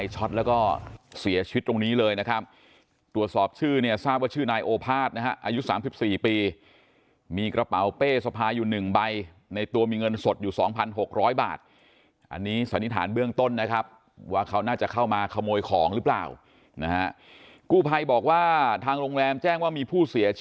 เสียชีวิตตรงนี้เลยนะครับตรวจสอบชื่อเนี่ยทราบว่าชื่อนายโอภาษนะฮะอายุ๓๔ปีมีกระเป๋าเป้สะพายอยู่๑ใบในตัวมีเงินสดอยู่๒๖๐๐บาทอันนี้สันนิษฐานเบื้องต้นนะครับว่าเขาน่าจะเข้ามาขโมยของหรือเปล่านะฮะกู้ภัยบอกว่าทางโรงแรมแจ้งว่ามีผู้เสีย